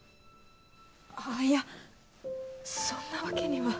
あっいやそんなわけには。